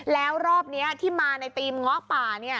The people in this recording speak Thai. แล้วรอบนี้ที่มาในธีมเงาะป่า